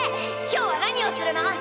今日は何をするの？